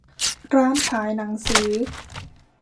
ร้านขายหนังสือ